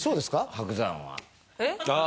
伯山は。